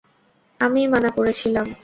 আমিই মানা করেছিলাম।